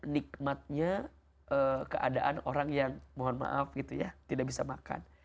nikmatnya keadaan orang yang mohon maaf gitu ya tidak bisa makan